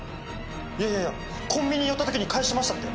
いやいやコンビニ寄ったときに返しましたって。